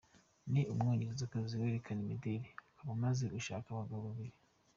Ni umwongerezakazi werekana imideri, akaba amaze gushaka abagabo babiri.